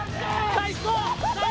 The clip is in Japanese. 最高！